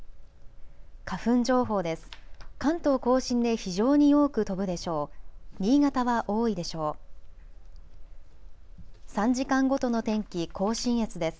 花粉情報です。